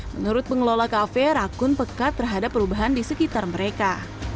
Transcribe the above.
menurut pengelola kafe rakun pekat terhadap perubahan di sekitar mereka